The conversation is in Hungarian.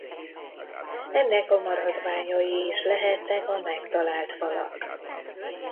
Ennek a maradványai is lehettek a megtalált falak.